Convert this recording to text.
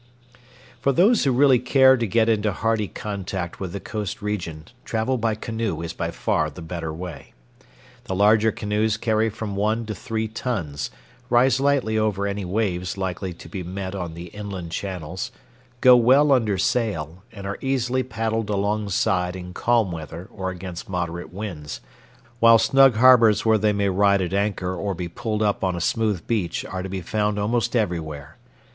For those who really care to get into hearty contact with the coast region, travel by canoe is by far the better way. The larger canoes carry from one to three tons, rise lightly over any waves likely to be met on the inland channels, go well under sail, and are easily paddled alongshore in calm weather or against moderate winds, while snug harbors where they may ride at anchor or be pulled up on a smooth beach are to be found almost everywhere.